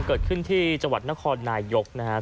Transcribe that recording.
เกิดขึ้นที่จังหวัดนครนายกนะครับ